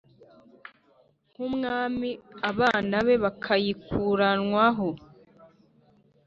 nk’umwami abana be bakayikuranwaho